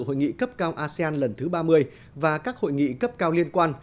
hội nghị cấp cao asean lần thứ ba mươi và các hội nghị cấp cao liên quan